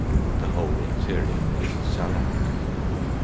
The whole interior is salat.